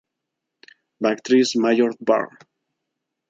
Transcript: Bactris major var.